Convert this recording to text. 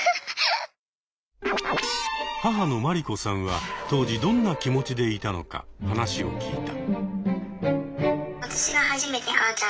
母のマリコさんは当時どんな気持ちでいたのか話を聞いた。